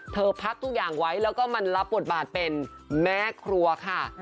พักทุกอย่างไว้แล้วก็มันรับบทบาทเป็นแม่ครัวค่ะ